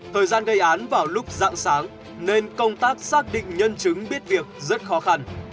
thời gian gây án vào lúc dạng sáng nên công tác xác định nhân chứng biết việc rất khó khăn